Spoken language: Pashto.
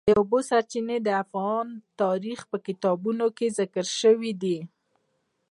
د اوبو سرچینې د افغان تاریخ په کتابونو کې ذکر شوی دي.